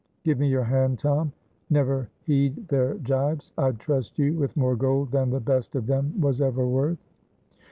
Give me your hand, Tom. Never heed their jibes. I'd trust you with more gold than the best of them was ever worth."